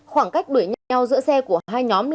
khoảng cách đuổi nhau giữa xe của hai nhóm